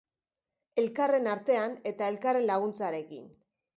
Elkarren artean eta elkarren laguntzarekin.